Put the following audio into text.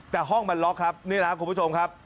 แต่ห้องมันล็อกครับนี่แหละครับคุณผู้ชมครับ